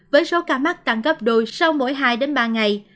với số ca mắc tăng gấp đôi sau mỗi hai đến ba ngày